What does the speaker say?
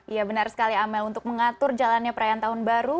ya benar sekali amel untuk mengatur jalannya perayaan tahun baru